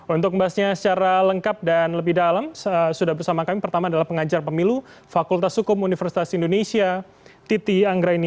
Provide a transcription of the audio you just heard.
untuk membahasnya secara lengkap dan lebih dalam sudah bersama kami pertama adalah pengajar pemilu fakultas hukum universitas indonesia titi anggraini